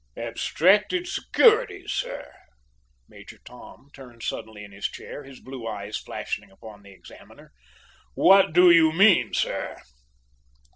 "Abstracted securities, sir!" Major Tom turned suddenly in his chair, his blue eyes flashing upon the examiner. "What do you mean, sir?"